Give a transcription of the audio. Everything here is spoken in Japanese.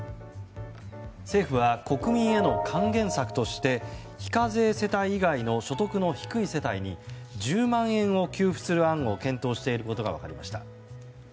政府は国民への還元策として非課税世帯以外の所得の低い世帯に１０万円を給付する案を検討していることが分かりました。